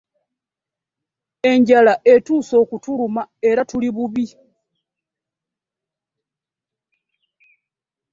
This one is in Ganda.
Enjala esusse okutuluma era tuli bubi.